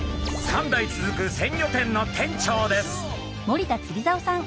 ３代続く鮮魚店の店長です。